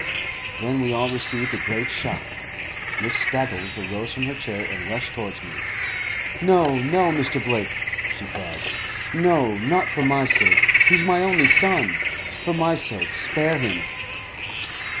Then we all received a great shock. Miss Staggles arose from her chair and rushed towards me. "No, no, Mr. Blake," she cried; "no, not for my sake. He's my only son. For my sake, spare him."